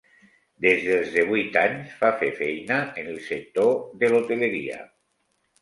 Des dels devuit anys fa fer feina en el sector de l'hoteleria.